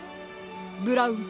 ブラウン。